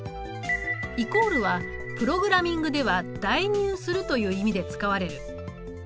「＝」はプログラミングでは代入するという意味で使われる。